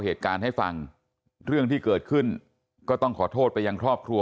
เหตุการณ์ให้ฟังเรื่องที่เกิดขึ้นก็ต้องขอโทษไปยังครอบครัว